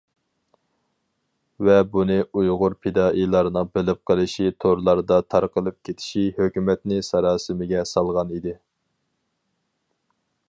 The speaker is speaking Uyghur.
ۋە بۇنى ئۇيغۇر پىدائىيلارنىڭ بىلىپ قېلىشى تورلاردا تارقىلىپ كېتىشى ھۆكۈمەتنى ساراسىمىگە سالغان ئىدى.